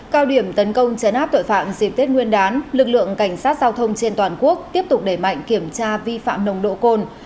cao điểm tấn công chấn áp tội phạm dịp tết nguyên đán lực lượng cảnh sát giao thông trên toàn quốc tiếp tục đẩy mạnh kiểm tra vi phạm nồng độ cồn